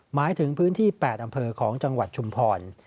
หมายถึงพื้นที่๘อำเภอของจังหวัดชุมพร